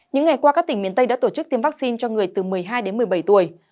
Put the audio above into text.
những ngày qua các tỉnh miền tây đã tổ chức tiêm vaccine cho người từ một mươi hai đến một mươi bảy tuổi